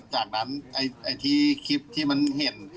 จากนั้นไอ้ที่คลิปที่มันเห็น